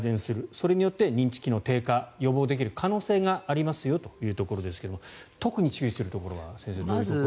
それによって認知機能低下を予防できる可能性がありますよということですが特に注意するところはどこでしょうか。